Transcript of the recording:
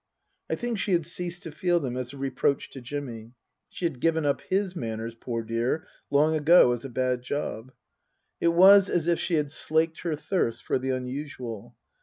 I think she had ceased to feel them as a reproach to Jimmy. She had given up his manners, poor dear, long ago, as a bad job. It was as if she had slaked her thirst for the unusual.